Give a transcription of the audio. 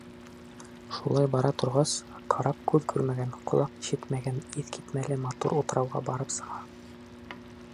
Шулай бара торғас, карап күҙ күрмәгән, ҡолаҡ ишетмәгән иҫ китмәле матур утрауға барып сыға.